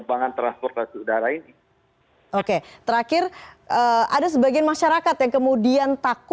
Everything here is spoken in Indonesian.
berapa korban yang sudah